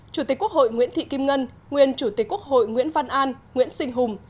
chủ tịch quốc hội nguyễn thị kim ngân nguyên chủ tịch quốc hội nguyễn văn an nguyễn sinh hùng